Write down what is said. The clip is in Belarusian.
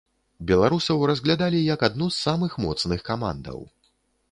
Беларусаў разглядалі як адну з самых моцных камандаў.